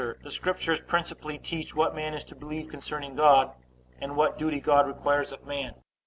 The Scriptures principally teach what man is to believe concerning God, and what duty God requires of man.